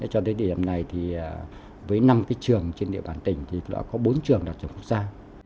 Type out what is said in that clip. cho đến điểm này thì với năm trường trên địa bàn tỉnh thì đã có bốn trường đạt chuẩn quốc gia